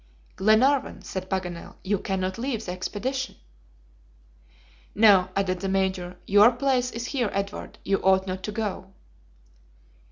"Glenarvan," said Paganel, "you cannot leave the expedition." "No," added the Major. "Your place is here, Edward, you ought not to go."